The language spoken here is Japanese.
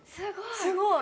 すごい！